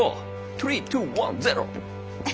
トゥリートゥワンゼロ！